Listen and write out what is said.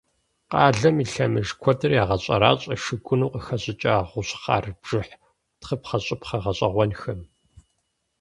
Къалэм и лъэмыж куэдыр ягъэщӀэращӀэ шыгуным къыхэщӀыкӀа гъущӀхъар бжыхь тхыпхъэщӀыпхъэ гъэщӀэгъуэнхэм.